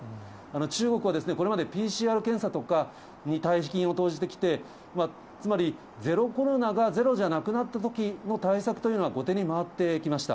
中国はこれまでＰＣＲ検査とかに大金を投じてきて、つまりゼロコロナがゼロじゃなくなったときの対策というのは、後手に回ってきました。